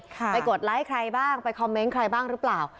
ไปกดไลค์ใครบ้างไปคอมเมนต์ใครบ้างหรือเปล่า